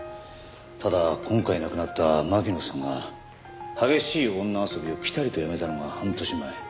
ただ今回亡くなった巻乃さんが激しい女遊びをピタリとやめたのが半年前。